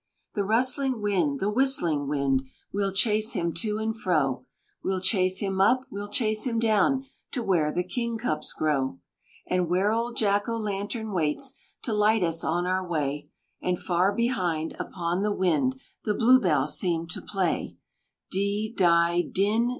"The rustling wind, the whistling wind, We'll chase him to and fro, We'll chase him up, we'll chase him down To where the King cups grow; And where old Jack o' Lantern waits To light us on our way, And far behind, Upon the wind, The Blue bells seem to play D! DI! DIN!